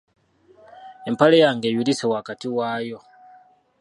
Empale yange eyulise wakati wayo.